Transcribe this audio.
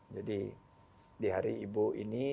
di hari ibu ini